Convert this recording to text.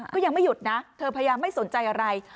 ก็ยังไม่หยุดนะเธอพยายามไม่สนใจอะไร